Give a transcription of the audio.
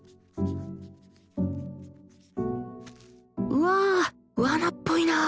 うわあ罠っぽいな